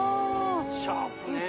シャープね